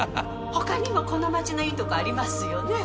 ほかにもこの町のいいとこありますよね？